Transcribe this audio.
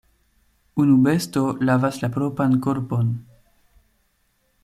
Unu besto lavas la propran korpon.